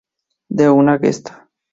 De una gesta.